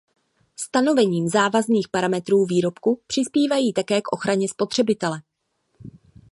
Stanovením závazných parametrů výrobků přispívají také k ochraně spotřebitele.